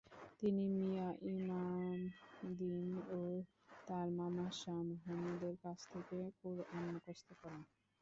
তিনি মিয়াঁ ইমাম দ্বীন ও তার মামা শাহ মুহাম্মদের কাছ থেকে কুরআন মুখস্থ করেন।